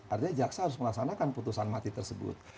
artinya jaksa harus melaksanakan putusan mati tersebut